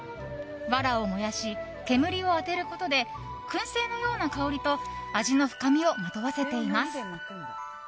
わらを燃やし、煙を当てることで燻製のような香りと味の深みをまとわせています。